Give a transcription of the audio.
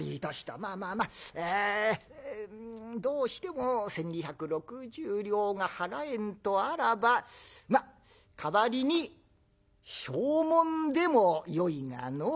まあまあまあどうしても１，２６０両が払えんとあらばまぁ代わりに証文でもよいがのう。